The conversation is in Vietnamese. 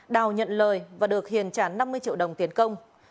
đào nhận lời và được hiền trán năm mươi triệu đồng tiến công